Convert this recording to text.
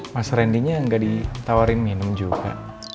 mas rendynya gak ditawarin minum juga